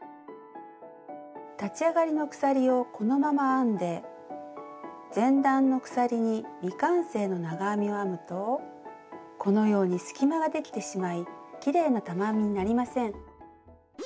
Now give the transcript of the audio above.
立ち上がりの鎖をこのまま編んで前段の鎖に未完成の長編みを編むとこのように隙間ができてしまいきれいな玉編みになりません。